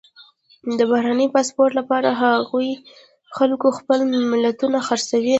د بهرني پاسپورټ لپاره هغو خلکو خپلې ملیتونه خرڅوي.